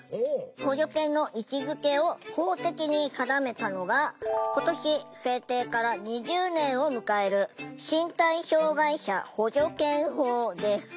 補助犬の位置づけを法的に定めたのが今年制定から２０年を迎える「身体障害者補助犬法」です。